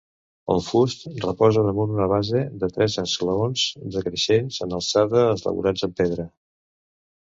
El fust reposa damunt una base de tres esglaons, decreixents en alçada, elaborats en pedra.